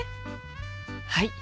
はい。